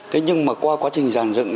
thế nhưng mà qua quá trình giàn dựng